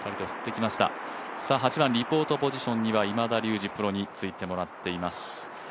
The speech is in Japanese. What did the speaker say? ８番リポートポジションには今田竜二プロについてもらってます。